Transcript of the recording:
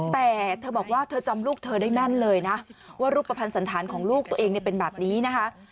แต่เธอบอกว่าเธอจำลูกเธอได้แม่นเลยนะว่ารูปภัณฑ์สันธารของลูกตัวเองเป็นแบบนี้นะคะ